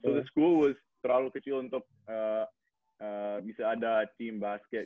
jadi sekolah itu terlalu kecil untuk bisa ada tim basket